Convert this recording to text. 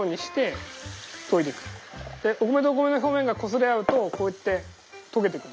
でお米とお米の表面がこすれ合うとこうやってとげてくる。